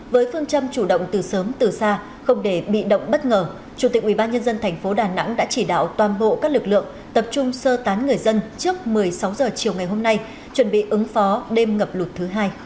với phương châm chủ động từ sớm từ xa không để bị động bất ngờ chủ tịch ubnd tp đà nẵng đã chỉ đạo toàn bộ các lực lượng tập trung sơ tán người dân trước một mươi sáu h chiều ngày hôm nay chuẩn bị ứng phó đêm ngập lụt thứ hai